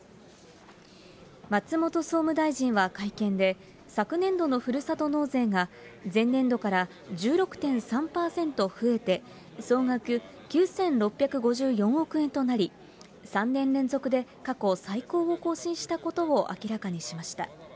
松本総務大臣は会見で、昨年度のふるさと納税が、前年度から１６．３％増えて、総額９６５４億円となり、３年連続で過去最高を更新したことを明らかにしました。